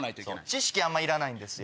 知識あんまいらないんですよ。